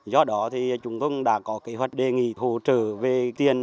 do đó thì chúng tôi đã có kế hoạch đề nghị hỗ trợ về tiền